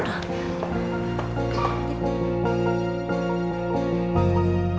aduh aduh aduh